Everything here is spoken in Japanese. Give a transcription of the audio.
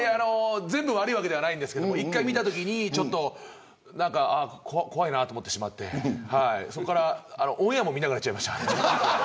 全部悪いわけじゃないんですが１回見たときに怖いなと思ってしまってそれからオンエアも見なくなりました。